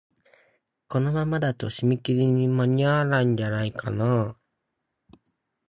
このままだと、締め切りに間に合わないんじゃないかなあ。